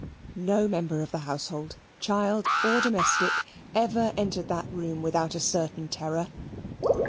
No member of the household, child, or domestic, ever entered that room without a certain terror.